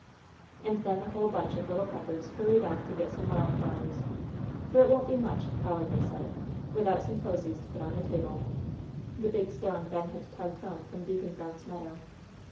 And then the whole bunch of little Peppers hurried off to get some wild flowers, "for it won't be much," Polly had said, "without some posies to put on the table" (the big stone Ben had tugged home from Deacon Brown's meadow).